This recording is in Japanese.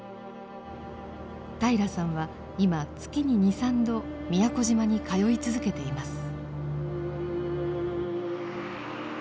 平良さんは今月に２３度宮古島に通い続けています。